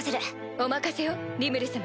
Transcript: お任せをリムル様。